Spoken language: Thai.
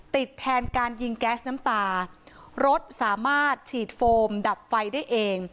แทนการยิงแก๊สน้ำตารถสามารถฉีดโฟมดับไฟได้เอง